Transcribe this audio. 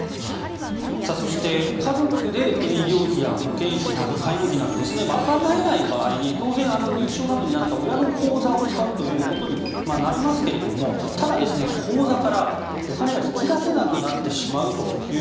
そして、家族で医療費や介護費などを賄えない場合に当然、認知症などになった親の口座を使うということになりますがただ、口座からお金が引き出せなくなってしまうと。